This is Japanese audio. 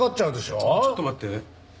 ちょっと待って。